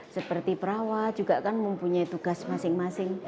seperti perawat juga kan mempunyai tugas masing masing